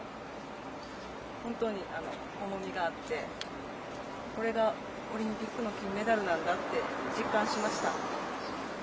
本当に重みがあってこれがオリンピックの金メダルなんだって実感しました。